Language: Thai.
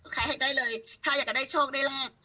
ขายให้ได้เลยถ้าอยากจะได้โชคได้ลาบ